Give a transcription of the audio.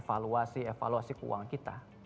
evaluasi evaluasi keuangan kita